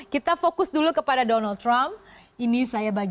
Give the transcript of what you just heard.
kita fokus dulu kepada donald trump ini saya bagi